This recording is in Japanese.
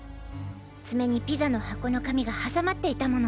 爪にピザの箱の紙が挟まっていたもの。